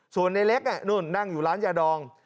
ส่วนในเล็กนู่นนั่งอยู่ร้านยาดอง